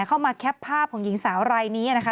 เข้ามาแคปภาพของหญิงสาวรายนี้นะคะ